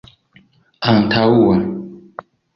antaŭa